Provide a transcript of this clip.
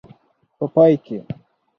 په پای کې.